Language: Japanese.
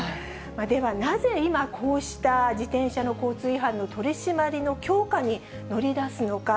では、なぜ、今、こうした自転車の交通違反の取締りの強化に乗り出すのか。